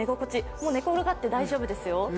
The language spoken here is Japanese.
もう寝ころがって大丈夫ですよ。